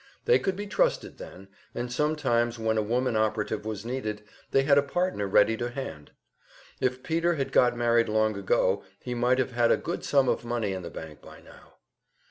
They could be trusted then, and sometimes when a woman operative was needed, they had a partner ready to hand. If Peter had got married long ago, he might have had a good sum of money in the bank by now.